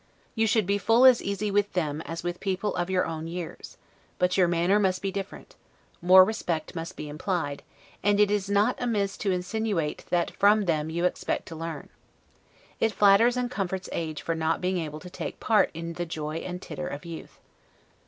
You should be full as easy with them as with people of your own years: but your manner must be different; more respect must be implied; and it is not amiss to insinuate that from them you expect to learn. It flatters and comforts age for not being able to take a part in the joy and titter of youth.